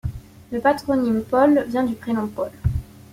Le patronyme Paul vient du prénom Paul.